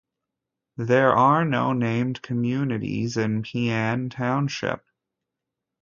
There are no named communities in Peaine Township.